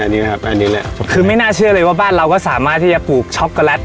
อันนี้นะครับอันนี้แหละคือไม่น่าเชื่อเลยว่าบ้านเราก็สามารถที่จะปลูกช็อกโกแลต